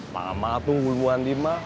mama tuh belum mandi ma